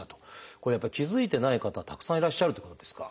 これやっぱり気付いてない方たくさんいらっしゃるってことですか？